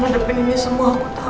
ngadepin ini semua aku tau